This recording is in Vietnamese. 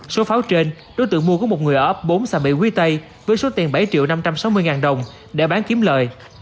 số pháo trên đối tượng mua của một người ở ấp bốn sang mỹ quý tây với số tiền bảy năm trăm sáu mươi đồng để bán kiếm lời